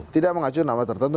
tidak mengacu nama tertentu